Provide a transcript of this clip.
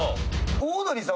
オードリーさん？